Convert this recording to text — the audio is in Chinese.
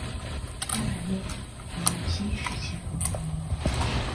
八百屋于七事件而闻名。